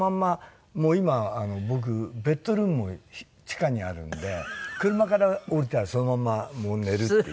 もう今僕ベッドルームも地下にあるので車から降りたらそのまんまもう寝るっていう。